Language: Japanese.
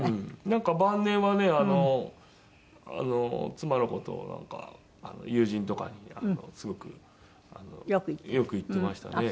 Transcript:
なんか晩年はねあの妻の事をなんか友人とかにすごく良く言ってましたね。